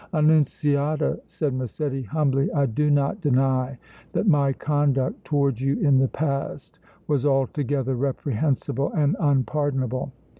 "Annunziata," said Massetti, humbly, "I do not deny that my conduct towards you in the past was altogether reprehensible and unpardonable.